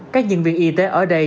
các nhân viên y tế ở đây